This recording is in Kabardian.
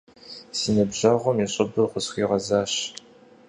Си ныбжьэгъум и щӏыб къысхуигъэзащ.